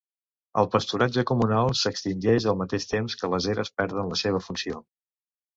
El pasturatge comunal s'extingeix al mateix temps que les eres perden la seva funció.